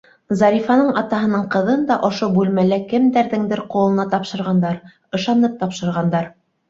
Зарифаның атаһының ҡыҙын да ошо бүлмәлә кемдәрҙеңдер ҡулына тапшырғандар, ышанып тапшырғандар.